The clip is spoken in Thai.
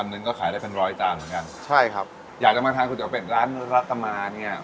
หนึ่งก็ขายได้เป็นร้อยจานเหมือนกันใช่ครับอยากจะมาทานก๋วเป็ดร้านรัตมาเนี่ย